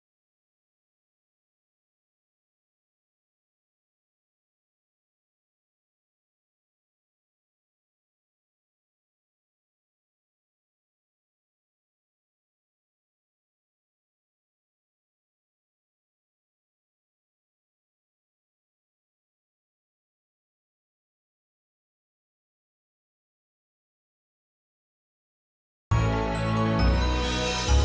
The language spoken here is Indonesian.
yang itu udah sama kamu kayak kesel lu